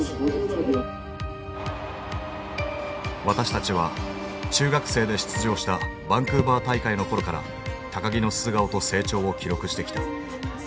私たちは中学生で出場したバンクーバー大会の頃から木の素顔と成長を記録してきた。